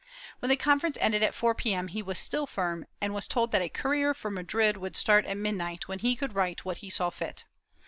When the conference ended at 4 p.m., he was still firm and was told that a courier for Madrid would start at mid night when he could write what he saw fit.